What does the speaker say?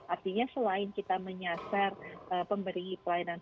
artinya selain kita menyasar pemberi pelayanan